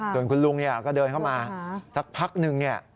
ใช่ค่ะคุณลุงธวรรษก็เดินเข้ามาสักพักหนึ่ง